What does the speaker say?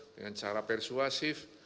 dengan cara persuasif